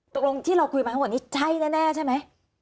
ตกลงที่เราคุยมาทั้งหมดนี้ใช่แน่ใช่ไหม